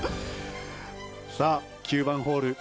さあ、９番ホール。